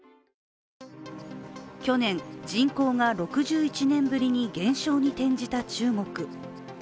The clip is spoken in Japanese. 去年、人口が６１年ぶりに減少に転じた中国。